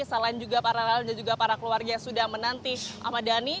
selain juga para relawan dan juga para keluarga yang sudah menanti ahmad dhani